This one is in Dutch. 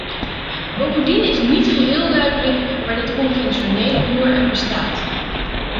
Bovendien is niet geheel duidelijk waar dit conventionele voer uit bestaat.